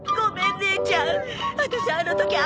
姉ちゃん！